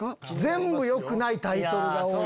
全部よくないタイトルが多い。